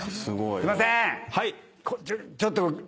すいませーん！